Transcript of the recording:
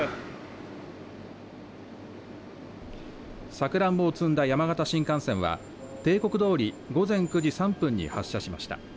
さくらんぼを積んだ山形新幹線は定刻どおり午前９時３分に発車しました。